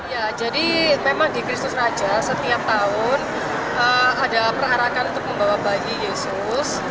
ya jadi memang di kristus raja setiap tahun ada perharakan untuk membawa bayi yesus